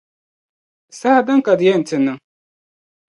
Saha dini ka di yɛn ti niŋ?